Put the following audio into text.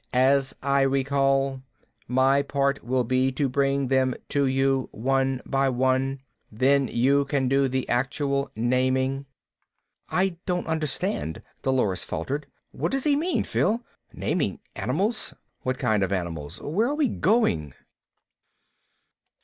"As I recall, my part will be to bring them to you, one by one. Then you can do the actual naming." "I don't understand," Dolores faltered. "What does he mean, Phil? Naming animals. What kind of animals? Where are we going?"